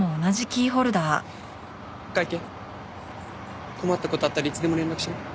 赤池困った事あったらいつでも連絡しろ。